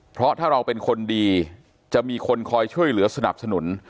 เพราะถ้าเราเป็นคนดีจะมีคนคอยช่วยเหลือสนับสนุน